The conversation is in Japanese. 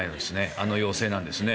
あの陽性なんですね。